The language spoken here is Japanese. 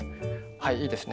はいいいですね。